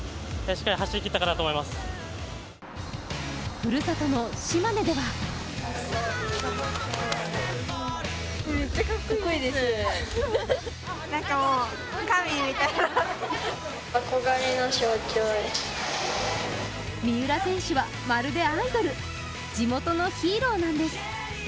ふるさとの島根では三浦選手はまるでアイドル、地元のヒーローなんです。